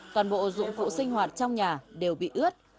toàn bộ dụng cụ sinh hoạt trong nhà đều bị ướt